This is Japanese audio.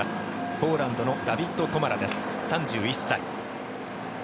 ポーランドのダビッド・トマラ３１歳。